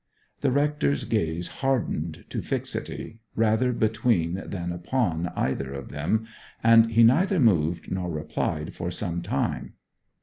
The rector's gaze hardened to fixity, rather between than upon either of them, and he neither moved nor replied for some time.